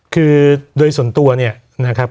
คือโดยส่วนตัวเนี่ยนะครับ